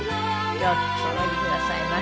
ようこそおいでくださいました。